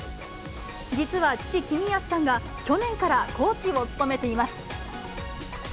実は父、公康さんが、去年からコーチを務めています。